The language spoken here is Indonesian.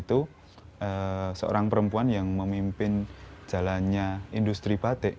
itu seorang perempuan yang memimpin jalannya industri batik